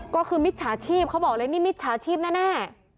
ก็คือมิจฉาชีพเขาบอกเลยนี่มิจฉาชีพแน่